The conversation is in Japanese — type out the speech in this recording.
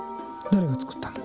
誰が作ったの？